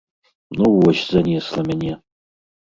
Ну вось, занесла мяне.